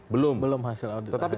belum hasil audit akhir